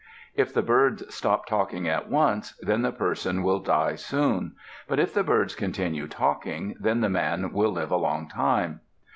If the birds stop talking at once, then the person will die soon. But if the birds continue talking, then the man will live a long time.